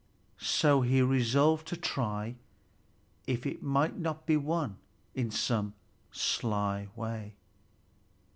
So he resolved to try if it might not be won in some sly way.